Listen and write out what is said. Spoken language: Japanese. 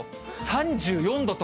３４度と。